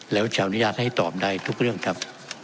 แล้วจะอนุญาตให้ตอบได้ทุกเรื่องครับ